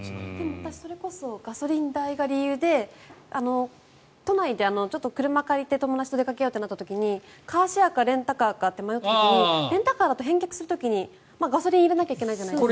私、それこそガソリン代が理由で都内でちょっと車を借りて友達と出かけようとなった時にカーシェアかレンタカーかと迷った時にレンタカーだと返却する時にガソリン入れなきゃいけないじゃないですか。